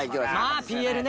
まあＰＬね。